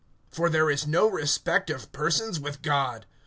(11)For there is no respect of persons with God.